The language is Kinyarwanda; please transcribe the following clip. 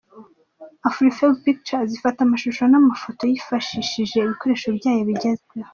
Afrifame Pictures ifata amashusho n'amafoto yifashishije ibikoresho byayo bigezweho.